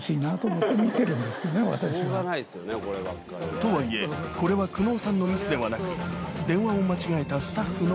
とはいえこれは久能さんのミスではなく今でもね非常に。